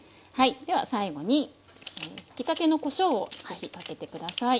では最後にひきたてのこしょうを是非かけて下さい。